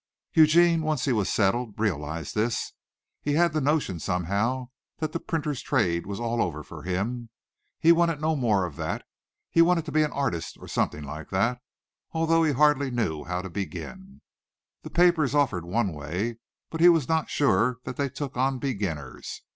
Eugene, once he was settled, realized this. He had the notion, somehow, that the printer's trade was all over for him. He wanted no more of that. He wanted to be an artist or something like that, although he hardly knew how to begin. The papers offered one way, but he was not sure that they took on beginners.